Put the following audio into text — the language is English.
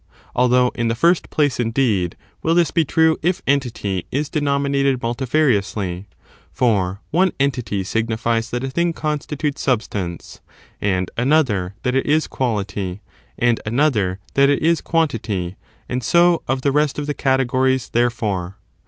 Although, in the first place, indeed, will fiiis be true if entity is denominated multi&riously ; for one entity sig nifies that a thing constitutes substance, and another that it is quality, and another that it is quantity, and so of the rest of the categories, therefore.